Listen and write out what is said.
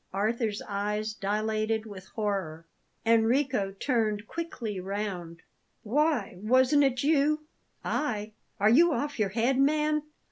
Arthur's eyes dilated with horror. Enrico turned quickly round. "Why, wasn't it you?" "I? Are you off your head, man?